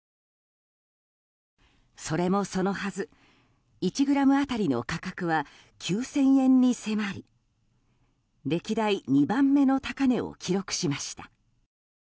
それもそのはず１ｇ当たりの価格は９０００円に迫り歴代２番目の高値を記録しました。